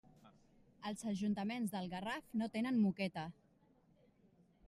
Els ajuntaments del Garraf no tenen moqueta.